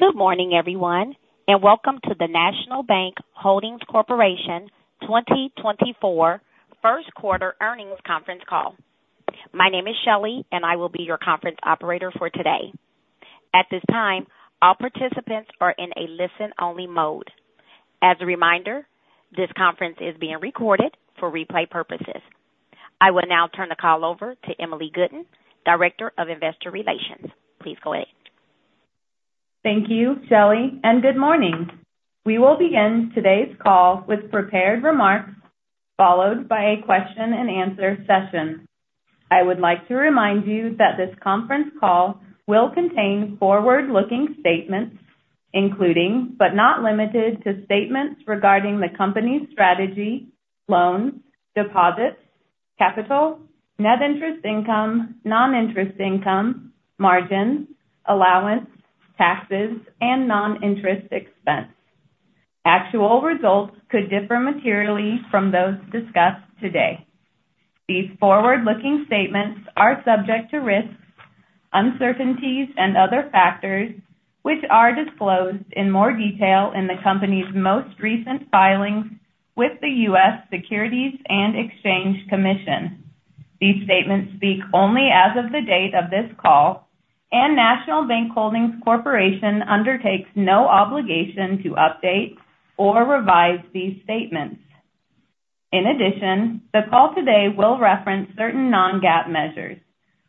Good morning, everyone, and welcome to the National Bank Holdings Corporation 2024 first quarter earnings conference call. My name is Shelley, and I will be your conference operator for today. At this time, all participants are in a listen-only mode. As a reminder, this conference is being recorded for replay purposes. I will now turn the call over to Emily Gooden, Director of Investor Relations. Please go ahead. Thank you, Shelley, and good morning. We will begin today's call with prepared remarks followed by a Q&A session. I would like to remind you that this conference call will contain forward-looking statements including, but not limited to, statements regarding the company's strategy, loans, deposits, capital, net interest income, non-interest income, margins, allowance, taxes, and non-interest expense. Actual results could differ materially from those discussed today. These forward-looking statements are subject to risks, uncertainties, and other factors, which are disclosed in more detail in the company's most recent filings with the U.S. Securities and Exchange Commission. These statements speak only as of the date of this call, and National Bank Holdings Corporation undertakes no obligation to update or revise these statements. In addition, the call today will reference certain non-GAAP measures,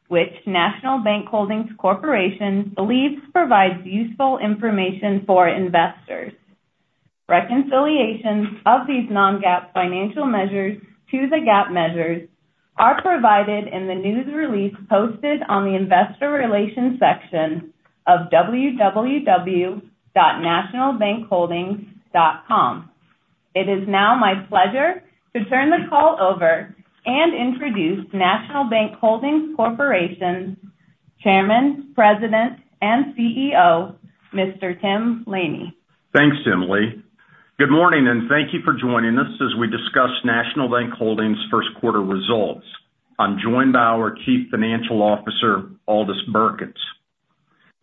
which National Bank Holdings Corporation believes provides useful information for investors. Reconciliations of these non-GAAP financial measures to the GAAP measures are provided in the news release posted on the Investor Relations section of www.nationalbankholdings.com. It is now my pleasure to turn the call over and introduce National Bank Holdings Corporation's Chairman, President, and CEO, Mr. Tim Laney. Thanks, Emily. Good morning, and thank you for joining us as we discuss National Bank Holdings' first quarter results. I'm joined by our Chief Financial Officer, Aldis Birkans.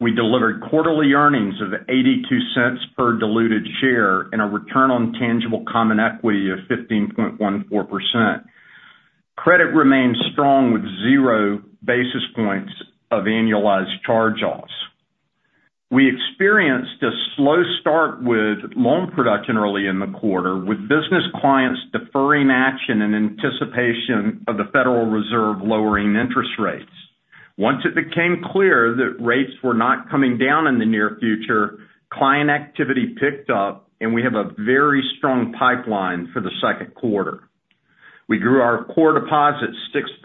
We delivered quarterly earnings of $0.82 per diluted share and a return on tangible common equity of 15.14%. Credit remained strong with 0 basis points of annualized charge-offs. We experienced a slow start with loan production early in the quarter, with business clients deferring action in anticipation of the Federal Reserve lowering interest rates. Once it became clear that rates were not coming down in the near future, client activity picked up, and we have a very strong pipeline for the second quarter. We grew our core deposits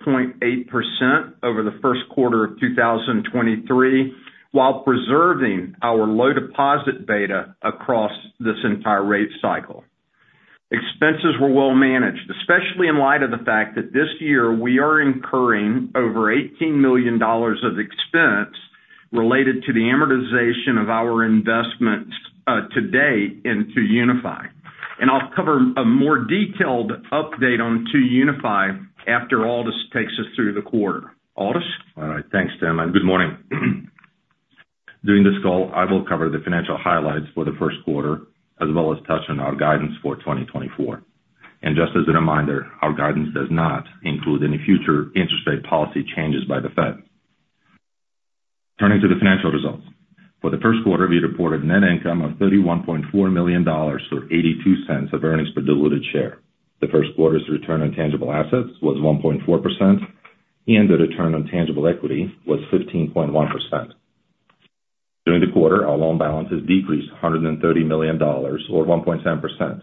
6.8% over the first quarter of 2023 while preserving our low deposit beta across this entire rate cycle. Expenses were well managed, especially in light of the fact that this year we are incurring over $18 million of expense related to the amortization of our investments to date into 2UniFi. I'll cover a more detailed update on 2UniFi after Aldis takes us through the quarter. Aldis? All right. Thanks, Tim, and good morning. During this call, I will cover the financial highlights for the first quarter as well as touch on our guidance for 2024. Just as a reminder, our guidance does not include any future interest-rate policy changes by the Fed. Turning to the financial results. For the first quarter, we reported net income of $31.4 million or $0.82 per diluted share. The first quarter's return on tangible assets was 1.4%, and the return on tangible equity was 15.1%. During the quarter, our loan balances decreased $130 million or 1.7%.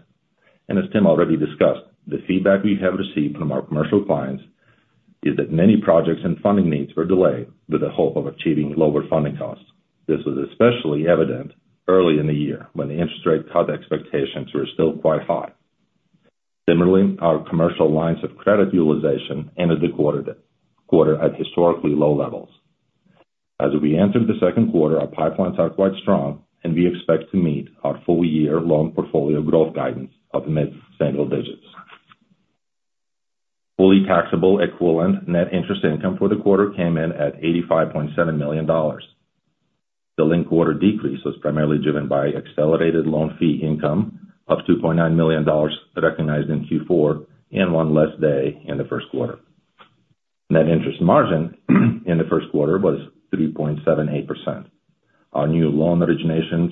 As Tim already discussed, the feedback we have received from our commercial clients is that many projects and funding needs were delayed with the hope of achieving lower funding costs. This was especially evident early in the year when the interest-rate cut expectations were still quite high. Similarly, our commercial lines of credit utilization ended the quarter at historically low levels. As we entered the second quarter, our pipelines are quite strong, and we expect to meet our full-year loan portfolio growth guidance of mid-single digits. Fully taxable equivalent net interest income for the quarter came in at $85.7 million. The linked quarter decrease was primarily driven by accelerated loan fee income of $2.9 million recognized in Q4 and one less day in the first quarter. Net interest margin in the first quarter was 3.78%. Our new loan originations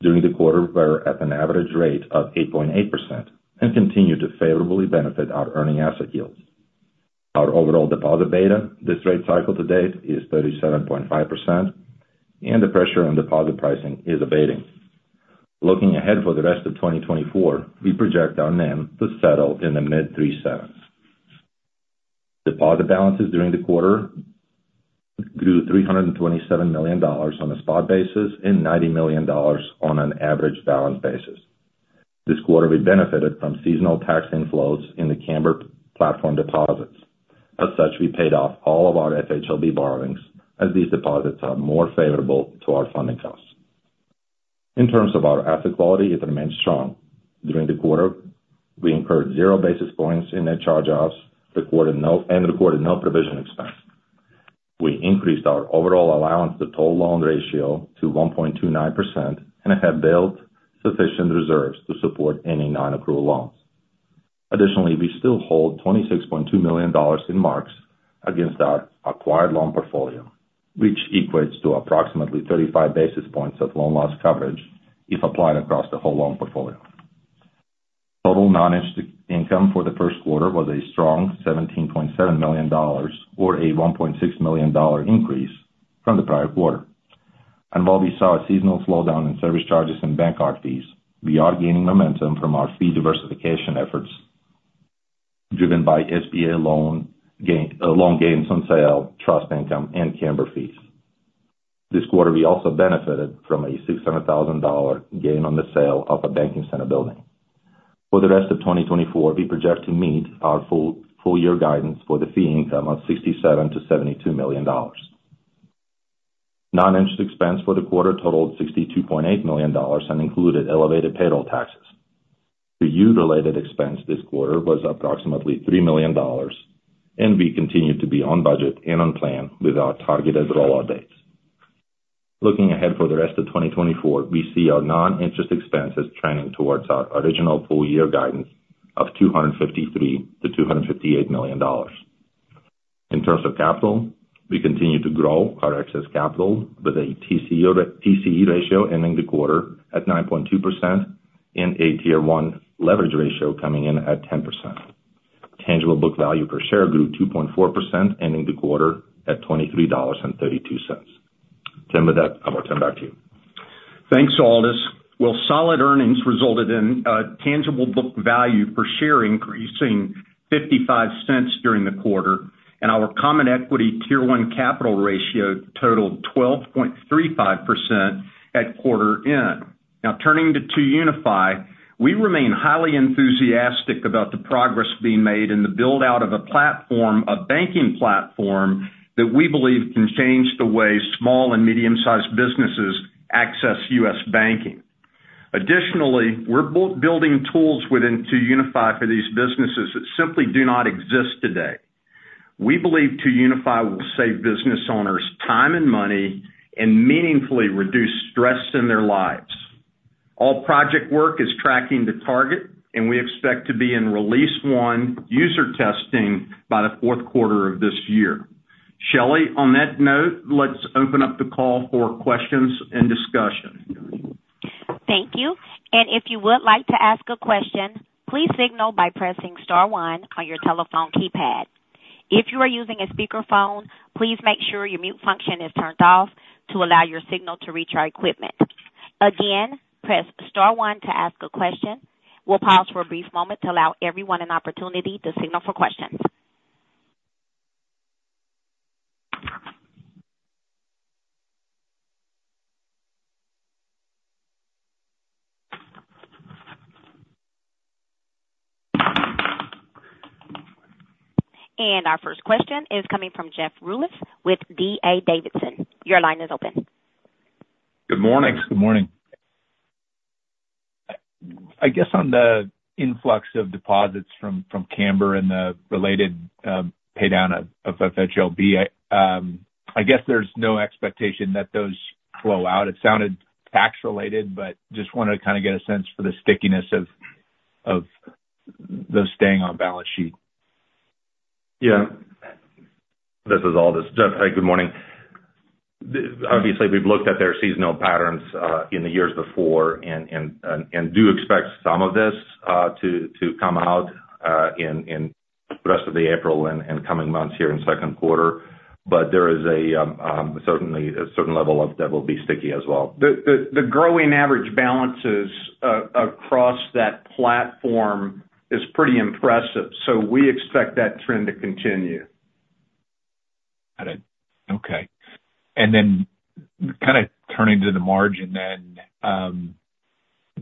during the quarter were at an average rate of 8.8% and continued to favorably benefit our earning asset yields. Our overall deposit beta this rate cycle to date is 37.5%, and the pressure on deposit pricing is abating. Looking ahead for the rest of 2024, we project our NIM to settle in the mid-37s. Deposit balances during the quarter grew $327 million on a spot basis and $90 million on an average balance basis. This quarter, we benefited from seasonal tax inflows in the Cambr platform deposits. As such, we paid off all of our FHLB borrowings as these deposits are more favorable to our funding costs. In terms of our asset quality, it remained strong. During the quarter, we incurred 0 basis points in net charge-offs and recorded no provision expense. We increased our overall allowance-to-total loan ratio to 1.29% and have built sufficient reserves to support any nonperforming loans. Additionally, we still hold $26.2 million in marks against our acquired loan portfolio, which equates to approximately 35 basis points of loan loss coverage if applied across the whole loan portfolio. Total non-interest income for the first quarter was a strong $17.7 million or a $1.6 million increase from the prior quarter. And while we saw a seasonal slowdown in service charges and bank card fees, we are gaining momentum from our fee diversification efforts driven by SBA loan gains on sale, trust income, and Cambr fees. This quarter, we also benefited from a $600,000 gain on the sale of a banking center building. For the rest of 2024, we project to meet our full-year guidance for the fee income of $67 million-$72 million. Non-interest expense for the quarter totaled $62.8 million and included elevated payroll taxes. T&E-related expense this quarter was approximately $3 million, and we continue to be on budget and on plan without targeted rollout dates. Looking ahead for the rest of 2024, we see our non-interest expenses trending towards our original full-year guidance of $253 million-$258 million. In terms of capital, we continue to grow our excess capital with a TCE ratio ending the quarter at 9.2% and a Tier 1 leverage ratio coming in at 10%. Tangible book value per share grew 2.4% ending the quarter at $23.32. Tim, I'll turn back to you. Thanks, Aldis. Well, solid earnings resulted in tangible book value per share increasing $0.55 during the quarter, and our Common Equity Tier 1 capital ratio totaled 12.35% at quarter end. Now, turning to 2UniFi, we remain highly enthusiastic about the progress being made in the build-out of a banking platform that we believe can change the way small and medium-sized businesses access U.S. banking. Additionally, we're building tools within 2UniFi for these businesses that simply do not exist today. We believe 2UniFi will save business owners time and money and meaningfully reduce stress in their lives. All project work is tracking to target, and we expect to be in release one user testing by the fourth quarter of this year. Shelley, on that note, let's open up the call for questions and discussion. Thank you. And if you would like to ask a question, please signal by pressing star one on your telephone keypad. If you are using a speakerphone, please make sure your mute function is turned off to allow your signal to reach our equipment. Again, press star one to ask a question. We'll pause for a brief moment to allow everyone an opportunity to signal for questions. And our first question is coming from Jeff Rulis with D.A. Davidson. Your line is open. Good morning. Good morning. I guess on the influx of deposits from Cambr and the related paydown of FHLB, I guess there's no expectation that those flow out. It sounded tax-related, but just wanted to kind of get a sense for the stickiness of those staying on balance sheet. Yeah. This is Aldis. Jeff, hey, good morning. Obviously, we've looked at their seasonal patterns in the years before and do expect some of this to come out in the rest of the April and coming months here in second quarter. But there is certainly a certain level that will be sticky as well. The growing average balances across that platform is pretty impressive. So we expect that trend to continue. Got it. Okay. And then kind of turning to the margin then,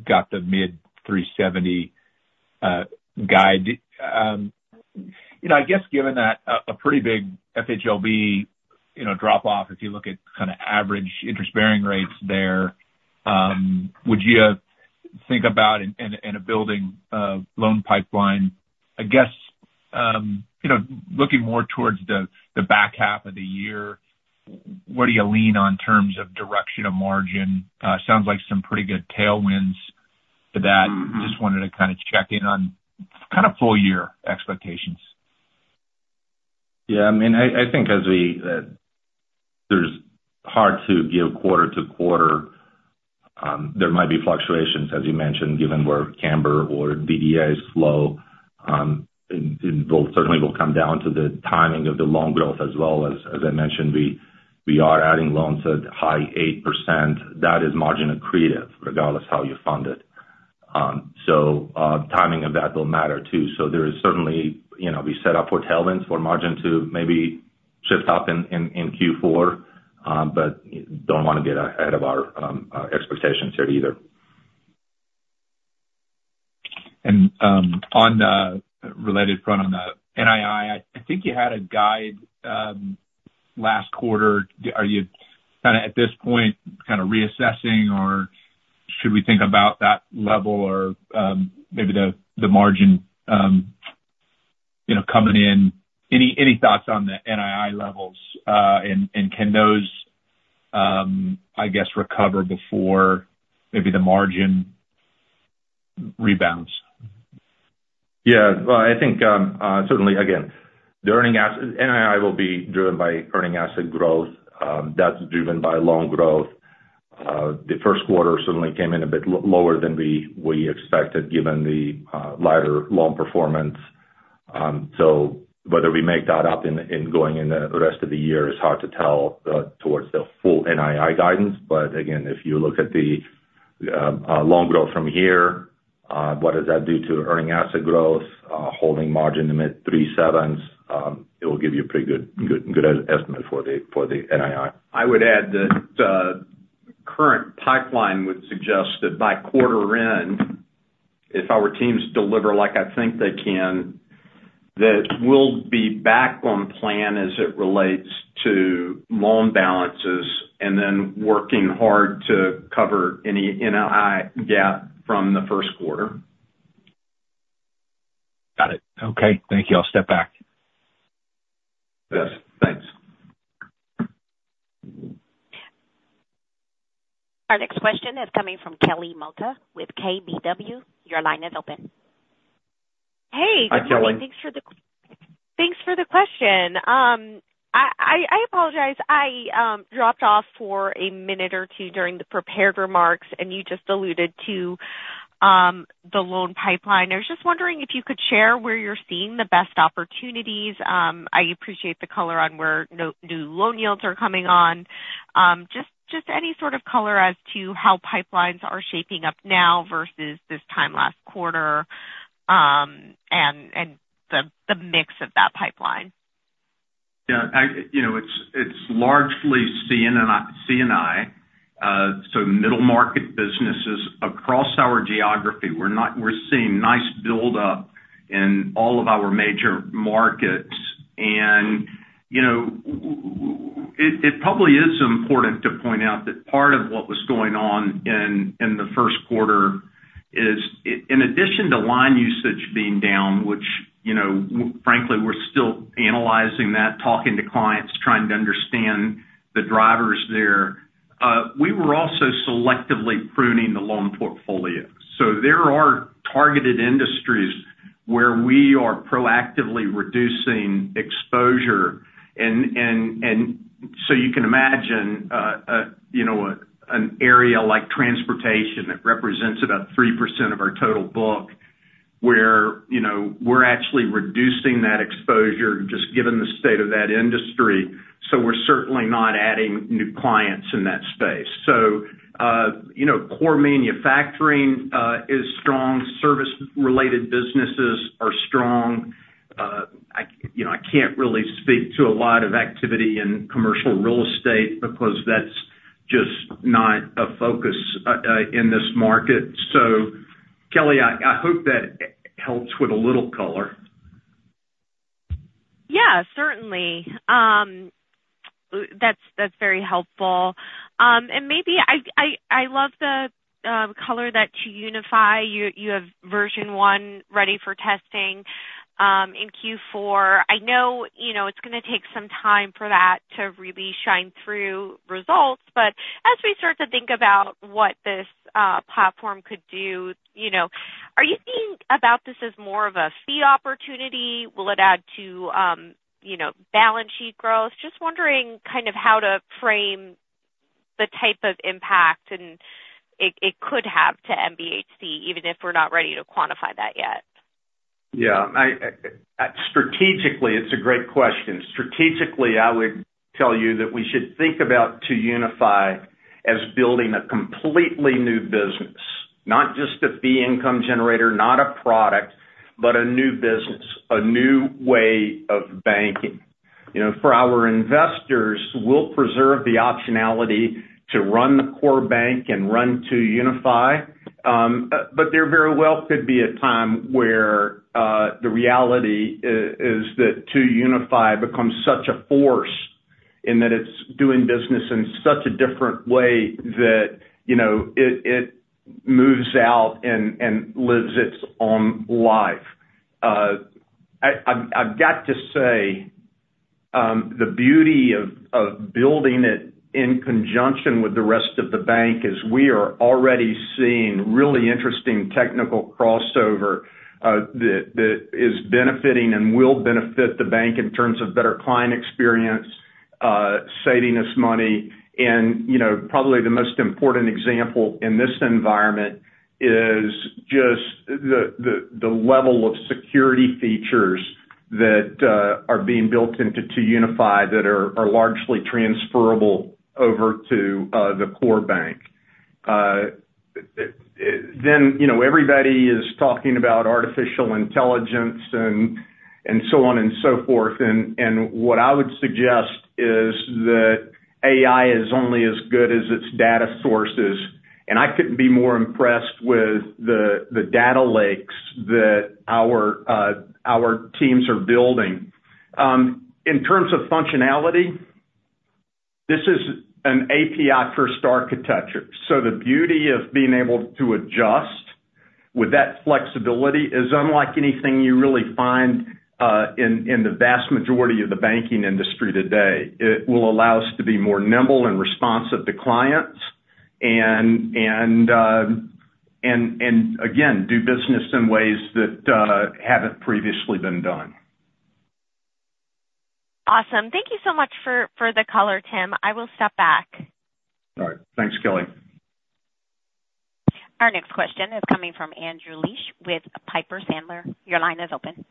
got the mid-370 guide. I guess given that a pretty big FHLB drop-off, if you look at kind of average interest-bearing rates there, would you think about in a building loan pipeline, I guess looking more towards the back half of the year, where do you lean in terms of direction of margin? Sounds like some pretty good tailwinds to that. Just wanted to kind of check in on kind of full-year expectations. Yeah. I mean, I think it's hard to give quarter to quarter. There might be fluctuations, as you mentioned, given where Cambr or DDAs flow certainly will come down to the timing of the loan growth as well as, as I mentioned, we are adding loans at high 8%. That is margin accretive regardless how you fund it. So timing of that will matter too. So there is certainly we set up for tailwinds for margin to maybe shift up in Q4, but don't want to get ahead of our expectations here either. On the related front, on the NII, I think you had a guide last quarter. Are you kind of at this point kind of reassessing, or should we think about that level or maybe the margin coming in? Any thoughts on the NII levels, and can those, I guess, recover before maybe the margin rebounds? Yeah. Well, I think certainly, again, the earning asset NII will be driven by earning asset growth. That's driven by loan growth. The first quarter certainly came in a bit lower than we expected given the lighter loan performance. So whether we make that up in going in the rest of the year is hard to tell towards the full NII guidance. But again, if you look at the loan growth from here, what does that do to earning asset growth, holding margin to mid-37s, it will give you a pretty good estimate for the NII. I would add that the current pipeline would suggest that by quarter end, if our teams deliver like I think they can, that we'll be back on plan as it relates to loan balances and then working hard to cover any NII gap from the first quarter. Got it. Okay. Thank you. I'll step back. Yes. Thanks. Our next question is coming from Kelly Motta with KBW. Your line is open. Hey. Hi, Kelly. Thanks for the question. I apologize. I dropped off for a minute or two during the prepared remarks, and you just alluded to the loan pipeline. I was just wondering if you could share where you're seeing the best opportunities. I appreciate the color on where new loan yields are coming on. Just any sort of color as to how pipelines are shaping up now versus this time last quarter and the mix of that pipeline. Yeah. It's largely C&I. So middle-market businesses across our geography, we're seeing nice buildup in all of our major markets. And it probably is important to point out that part of what was going on in the first quarter is, in addition to line usage being down, which frankly, we're still analyzing that, talking to clients, trying to understand the drivers there, we were also selectively pruning the loan portfolio. So there are targeted industries where we are proactively reducing exposure. And so you can imagine an area like transportation that represents about 3% of our total book where we're actually reducing that exposure just given the state of that industry. So we're certainly not adding new clients in that space. So core manufacturing is strong. Service-related businesses are strong. I can't really speak to a lot of activity in commercial real estate because that's just not a focus in this market. So Kelly, I hope that helps with a little color. Yeah, certainly. That's very helpful. And maybe I love the color that 2UniFi. You have version one ready for testing in Q4. I know it's going to take some time for that to really shine through results. But as we start to think about what this platform could do, are you thinking about this as more of a fee opportunity? Will it add to balance sheet growth? Just wondering kind of how to frame the type of impact it could have to NBHC, even if we're not ready to quantify that yet. Yeah. Strategically, it's a great question. Strategically, I would tell you that we should think about 2UniFi as building a completely new business, not just a fee income generator, not a product, but a new business, a new way of banking. For our investors, we'll preserve the optionality to run the core bank and run 2UniFi. But there very well could be a time where the reality is that 2UniFi becomes such a force in that it's doing business in such a different way that it moves out and lives its own life. I've got to say the beauty of building it in conjunction with the rest of the bank is we are already seeing really interesting technical crossover that is benefiting and will benefit the bank in terms of better client experience, saving us money. Probably the most important example in this environment is just the level of security features that are being built into 2UniFi that are largely transferable over to the core bank. Then everybody is talking about artificial intelligence and so on and so forth. What I would suggest is that AI is only as good as its data sources. I couldn't be more impressed with the data lakes that our teams are building. In terms of functionality, this is an API-first architecture. The beauty of being able to adjust with that flexibility is unlike anything you really find in the vast majority of the banking industry today. It will allow us to be more nimble and responsive to clients and, again, do business in ways that haven't previously been done. Awesome. Thank you so much for the color, Tim. I will step back. All right. Thanks, Kelly. Our next question is coming from Andrew Liesch with Piper Sandler. Your line is open.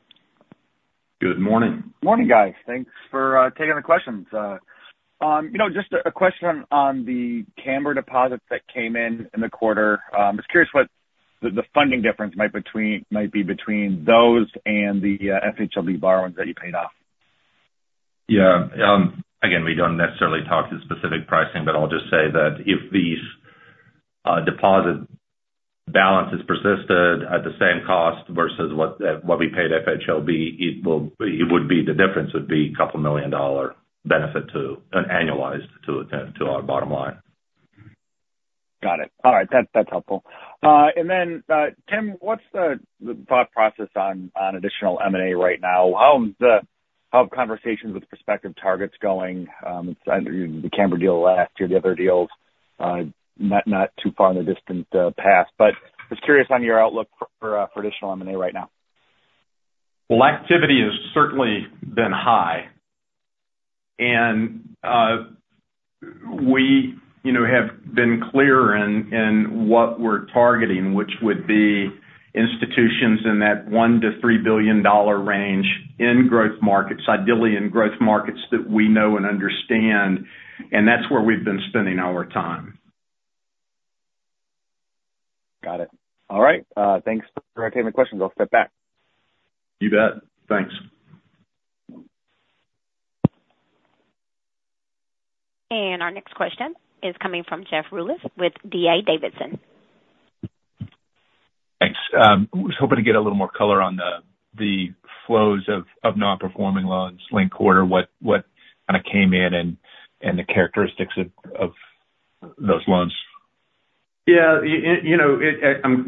Good morning. Morning, guys. Thanks for taking the questions. Just a question on the Cambr deposits that came in in the quarter. I was curious what the funding difference might be between those and the FHLB borrowings that you paid off. Yeah. Again, we don't necessarily talk to specific pricing, but I'll just say that if these deposit balances persisted at the same cost versus what we paid FHLB, it would be the difference a $2 million benefit annualized to our bottom line. Got it. All right. That's helpful. And then, Tim, what's the thought process on additional M&A right now? How are conversations with prospective targets going? The Cambr deal last year, the other deals, not too far in the distant past. But just curious on your outlook for additional M&A right now. Well, activity has certainly been high. We have been clear in what we're targeting, which would be institutions in that $1 billion-$3 billion range in growth markets, ideally in growth markets that we know and understand. That's where we've been spending our time. Got it. All right. Thanks for taking the questions. I'll step back. You bet. Thanks. Our next question is coming from Jeff Rulis with D.A. Davidson. Thanks. I was hoping to get a little more color on the flows of non-performing loans linked quarter, what kind of came in and the characteristics of those loans? Yeah.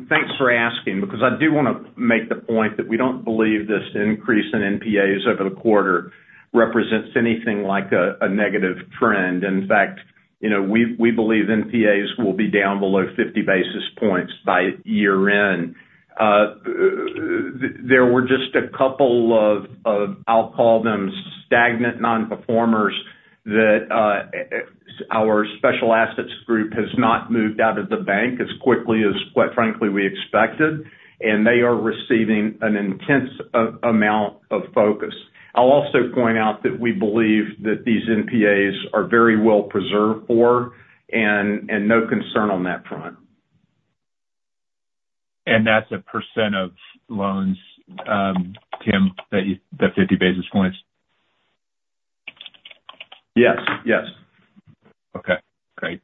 Thanks for asking because I do want to make the point that we don't believe this increase in NPAs over the quarter represents anything like a negative trend. In fact, we believe NPAs will be down below 50 basis points by year-end. There were just a couple of, I'll call them, stagnant non-performers that our special assets group has not moved out of the bank as quickly as, quite frankly, we expected. They are receiving an intense amount of focus. I'll also point out that we believe that these NPAs are very well preserved for, and no concern on that front. That's 1% of loans, Tim, the 50 basis points? Yes. Yes. Okay. Great.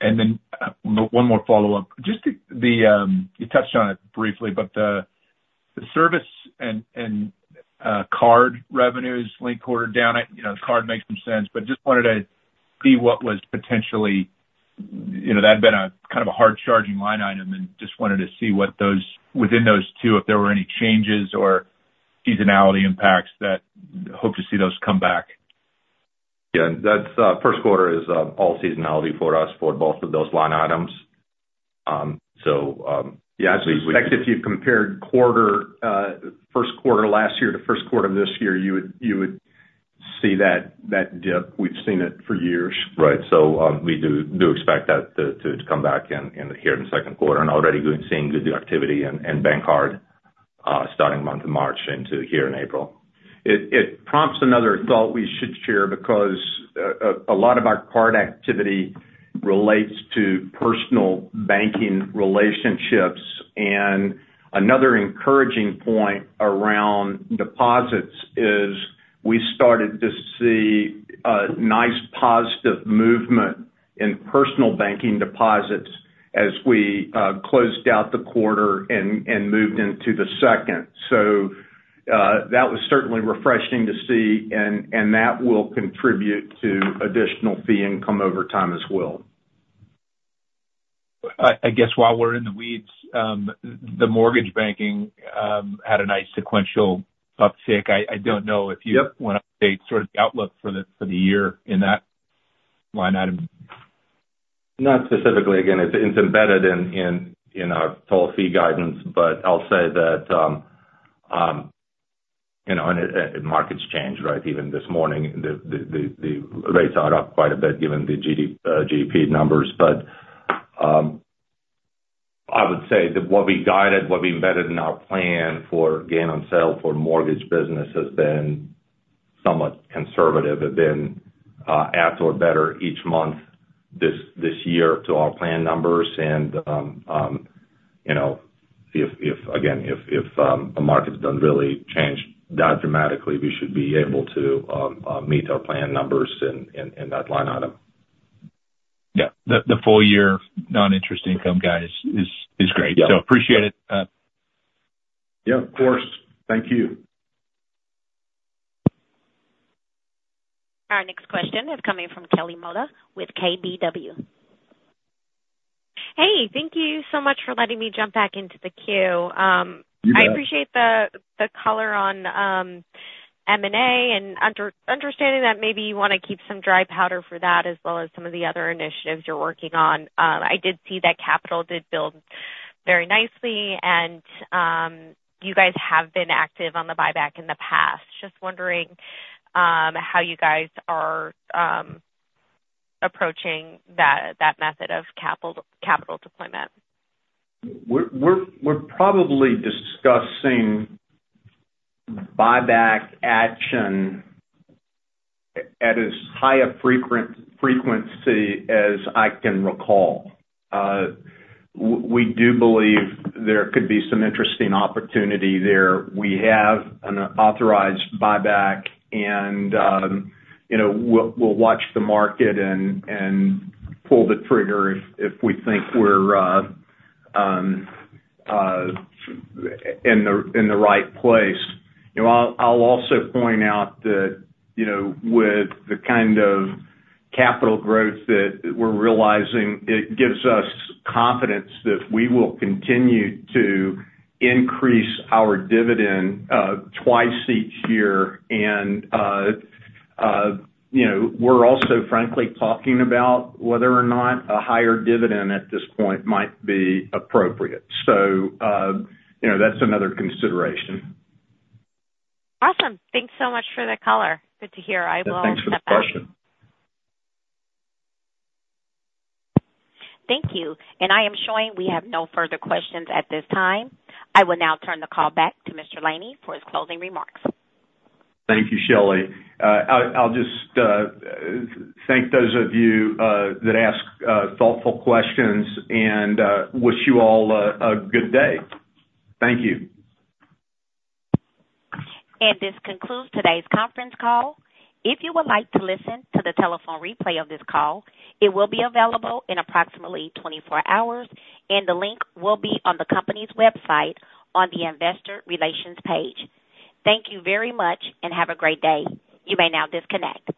And then one more follow-up. You touched on it briefly, but the service and card revenues linked quarter down. The card makes some sense. But just wanted to see what was potentially that had been kind of a hard-charging line item and just wanted to see within those two, if there were any changes or seasonality impacts that hope to see those come back. Yeah. First quarter is all seasonality for us for both of those line items. So yeah, at least we. I suspect if you've compared first quarter last year to first quarter this year, you would see that dip. We've seen it for years. Right. So we do expect that to come back here in the second quarter and already seeing good activity in bank card starting month of March into here in April. It prompts another thought we should share because a lot of our card activity relates to personal banking relationships. Another encouraging point around deposits is we started to see a nice positive movement in personal banking deposits as we closed out the quarter and moved into the second. That was certainly refreshing to see. That will contribute to additional fee income over time as well. I guess while we're in the weeds, the mortgage banking had a nice sequential uptick. I don't know if you want to update sort of the outlook for the year in that line item. Not specifically. Again, it's embedded in our full-year guidance. But I'll say that as markets changed, right? Even this morning, the rates are up quite a bit given the GDP numbers. But I would say that what we guided, what we embedded in our plan for gain on sale for mortgage business has been somewhat conservative. It's been at or better each month this year to our plan numbers. And again, if the market doesn't really change that dramatically, we should be able to meet our plan numbers in that line item. Yeah. The full-year non-interest income guy is great. So appreciate it. Yeah. Of course. Thank you. Our next question is coming from Kelly Motta with KBW. Hey. Thank you so much for letting me jump back into the queue. I appreciate the color on M&A and understanding that maybe you want to keep some dry powder for that as well as some of the other initiatives you're working on. I did see that capital did build very nicely. You guys have been active on the buyback in the past. Just wondering how you guys are approaching that method of capital deployment. We're probably discussing buyback action at as high a frequency as I can recall. We do believe there could be some interesting opportunity there. We have an authorized buyback. And we'll watch the market and pull the trigger if we think we're in the right place. I'll also point out that with the kind of capital growth that we're realizing, it gives us confidence that we will continue to increase our dividend twice each year. And we're also, frankly, talking about whether or not a higher dividend at this point might be appropriate. So that's another consideration. Awesome. Thanks so much for the color. Good to hear. I will step back. Thanks for the question. Thank you. I am showing we have no further questions at this time. I will now turn the call back to Mr. Laney for his closing remarks. Thank you, Shelley. I'll just thank those of you that asked thoughtful questions and wish you all a good day. Thank you. This concludes today's conference call. If you would like to listen to the telephone replay of this call, it will be available in approximately 24 hours. The link will be on the company's website on the investor relations page. Thank you very much and have a great day. You may now disconnect.